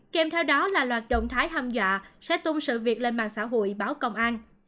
kèm theo đó là loạt động thái hâm dọa sẽ tung sự việc lên mạng xã hội báo công an